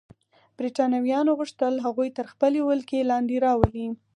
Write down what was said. برېټانویانو غوښتل هغوی تر خپلې ولکې لاندې راولي.